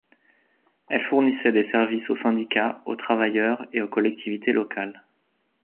Elles fournissaient des services aux syndicats, aux travailleurs et aux collectivités locales.